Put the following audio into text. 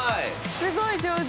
すごい上手！